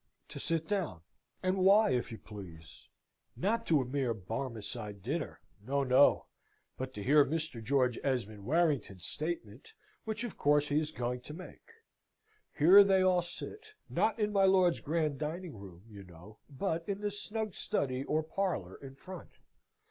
To sit down, and why, if you please? Not to a mere Barmecide dinner no, no but to hear MR. GEORGE ESMOND WARRINGTON'S STATEMENT, which of course he is going to make. Here they all sit not in my lord's grand dining room, you know, but in the snug study or parlour in front.